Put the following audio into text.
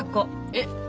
えっ。